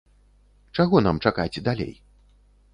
Чаго нам чакаць далей?